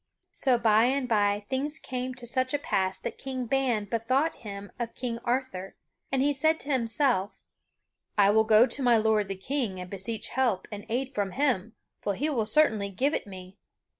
[Sidenote: King Ban bethinks him of King Arthur] So by and by things came to such a pass that King Ban bethought him of King Arthur, and he said to himself: "I will go to my lord the King and beseech help and aid from him, for he will certainly give it me.